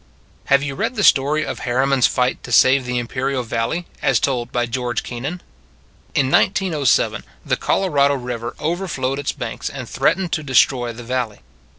Have you read the story of Harriman s fight to save the Imperial Valley, as told by George Kennan? In 1907 the Colorado River overflowed its banks, and threatened to destroy the valley.